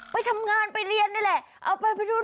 ไปทำงานไปเรียนได้แหละเอาไปไปดูหน่อย